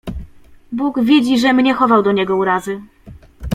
"Bóg widzi, żem nie chował do niego urazy."